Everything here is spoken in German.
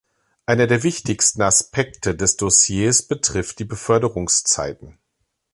Einer der wichtigsten Aspekte des Dossiers betrifft die Beförderungszeiten.